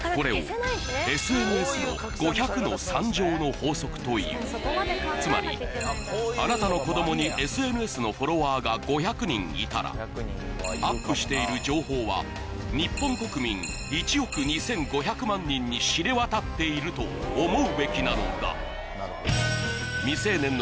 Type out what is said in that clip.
これをというつまりあなたの子供にＳＮＳのフォロワーが５００人いたらアップしている情報は日本国民１億２５００万人に知れ渡っていると思うべきなのだ